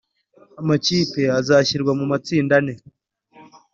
Amakipe azashyirwa mu matsinda ane